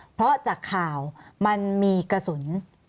เพราะจากข่าวมันมีกระสุน